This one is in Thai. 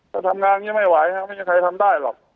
ถ้าทำงานไม่ไหวเนี่ยไม่มีใครทำได้หรอก